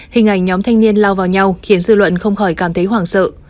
hình ảnh nhóm thanh niên lao vào nhau khiến dư luận không khỏi cảm thấy hoảng sợ